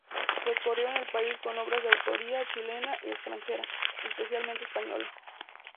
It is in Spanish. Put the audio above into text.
Recorrieron el país con obras de autoría chilena y extranjera, especialmente española.